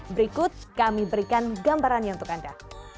berikut kami berikan gambarannya untuk anda